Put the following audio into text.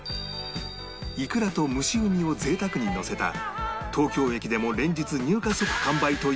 イクラと蒸しうにを贅沢にのせた東京駅でも連日入荷即完売という大人気駅弁